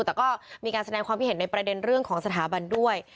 แต่ก็มีการแสดงความคิดเห็นในประเด็นเรื่องของสถาบันด้วย